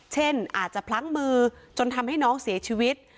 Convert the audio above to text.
เช่นอาจจะพลั้งมือจนทำให้น้องเสียชีวิต